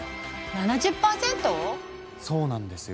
７０％⁉そうなんですよ。